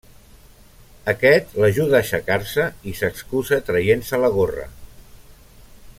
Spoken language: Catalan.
Aquest l'ajuda a aixecar-se i s'excusa traient-se la gorra.